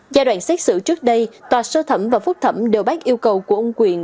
giai đoạn xét xử trước đây tòa sơ thẩm và phúc thẩm đều bác yêu cầu của ông quyện